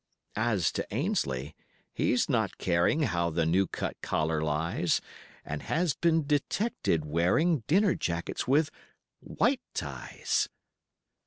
As to Ainslie, he's not caring How the new cut collar lies, And has been detected wearing Dinner jackets with white ties.